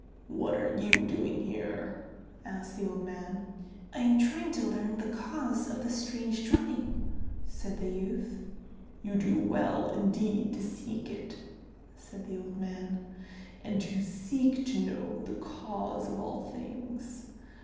"What are you doing here?" asked the old man. "I am trying to learn the cause of the strange drumming," said the youth. "You do well indeed to seek it," said the old man, "and to seek to know the cause of all things.